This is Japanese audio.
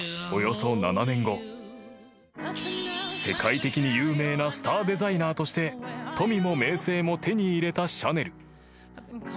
［世界的に有名なスターデザイナーとして富も名声も手に入れたシャネル］